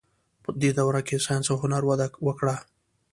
په دې دوره کې ساینس او هنر وده وکړه.